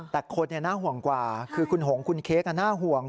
แต่คนน่าห่วงกว่าคือคุณหงคุณเค้กน่าห่วง